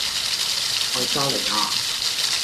愛沙尼亞